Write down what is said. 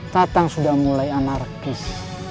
tatang sudah mulai anarkis